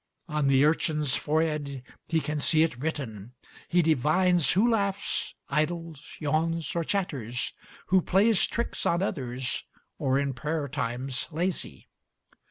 On the urchin's forehead he can see it written. He divines who laughs, idles, yawns, or chatters, Who plays tricks on others, or in prayer time's lazy.